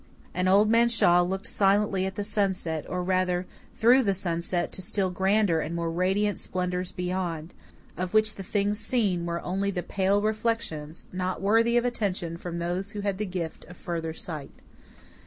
And Old Man Shaw looked silently at the sunset or, rather, through the sunset to still grander and more radiant splendours beyond, of which the things seen were only the pale reflections, not worthy of attention from those who had the gift of further sight.